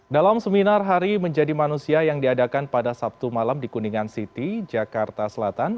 dalam seminar hari menjadi manusia yang diadakan pada sabtu malam di kuningan city jakarta selatan